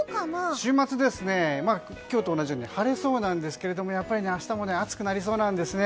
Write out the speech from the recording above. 週末ですね、今日と同じように晴れそうなんですがやっぱり明日も暑くなりそうなんですね。